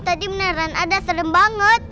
tadi beneran ada serem banget